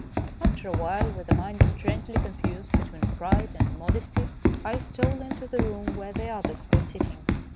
After a while, with a mind strangely con fused between pride and modesty, I stole into the room where the others were sit ting.